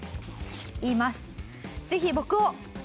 言います。